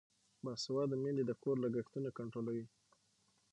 باسواده میندې د کور لګښتونه کنټرولوي.